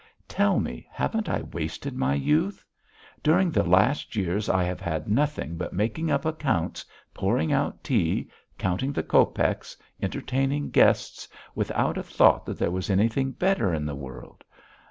Tell me; haven't I wasted my youth? During the last years I have had nothing but making up accounts, pouring out tea, counting the copecks, entertaining guests, without a thought that there was anything better in the world!